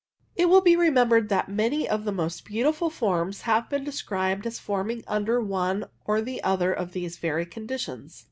It will be remembered that many of the most beautiful forms have been described as forming under one or the other of these very conditions.